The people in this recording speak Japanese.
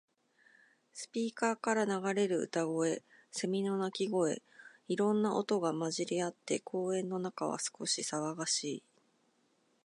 スピーカーから流れる歌声、セミの鳴き声。いろんな音が混ざり合って、公園の中は少し騒がしい。